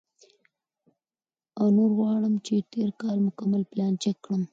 او نور غواړم چې د تېر کال مکمل پلان چیک کړم،